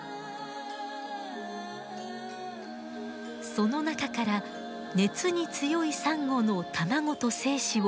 その中から熱に強いサンゴの卵と精子を根気強く採取します。